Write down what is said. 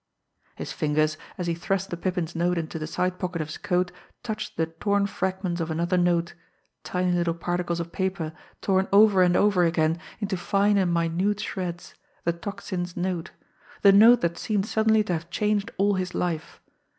His fingers, as he thrust the Pippin's note into the side pocket of his coat, touched the torn fragments of another note, tiny little particles of paper, torn over and over again into fine and minute shreds the Tocsin's note the note that seemed suddenly to have changed all his life.